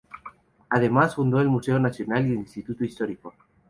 Además fundó el Museo Nacional y el Instituto Histórico.